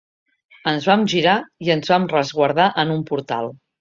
Ens vam girar i ens vam resguardar en un portal.